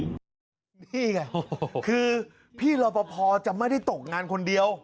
นี่ไงคือพี่รอปภจะไม่ได้ตกงานคนเดียว